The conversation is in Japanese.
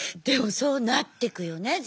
でもそうなってくよね